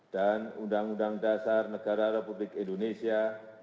dan undang undang dasar negara republik indonesia